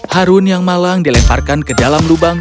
harun yang malang dilemparkan ke dalam lubang